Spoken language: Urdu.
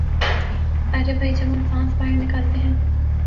ارے بھئی جب ہم سانس باہر نکالتے ہیں